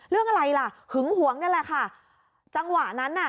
เรื่องอะไรล่ะหึงหวงนั่นแหละค่ะจังหวะนั้นน่ะ